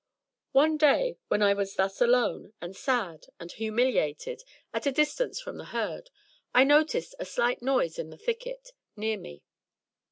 One day when I was thus alone, and sad, and humiliated, at a distance from the Herd, I noticed a slight noise in the thicket, near me.